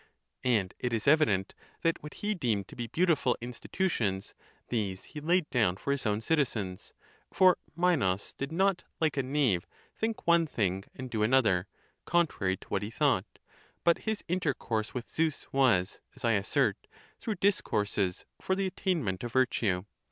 And it is evident, that what he deemed to be beautiful institutions, these he laid down for his own citizens. For Minos did not, like a knave, think one thing, and do another, contrary to what he thought; but his intercourse with Zeus was, as I assert, through discourses for the attainment of virtue.